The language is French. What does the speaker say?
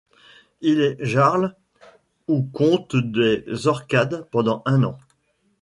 Il est Jarl ou comte des Orcades pendant un an.